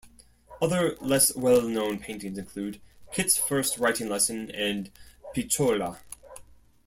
Other less well known paintings include "Kit's First Writing Lesson" and "Picciola".